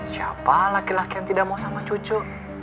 siapa laki laki yang tidak mau sama cucu